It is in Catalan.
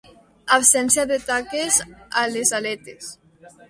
Absència de taques a les aletes.